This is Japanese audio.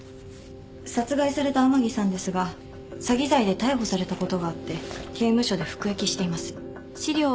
殺害された甘木さんですが詐欺罪で逮捕されたことがあって刑務所で服役しています。